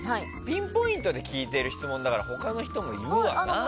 ピンポイントで聞いてる質問だから他の人もいるよね。